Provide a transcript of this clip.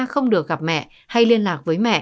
không được gặp mẹ hay liên lạc với mẹ